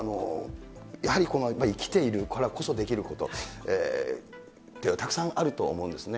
やはりこのやっぱり生きているからこそできることっていうのは、たくさんあると思うんですね。